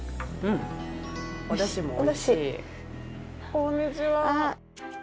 こんにちは。